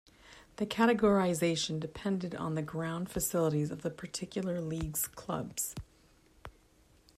The categorisation depended on the ground facilities of the particular league's clubs.